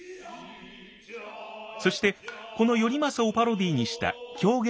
そしてこの「頼政」をパロディーにした狂言「通圓」。